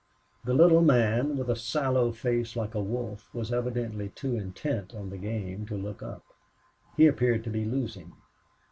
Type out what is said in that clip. The little man with a sallow face like a wolf was evidently too intent on the game to look up. He appeared to be losing.